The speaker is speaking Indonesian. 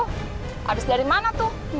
habis dari mana tuh